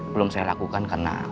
belum saya lakukan karena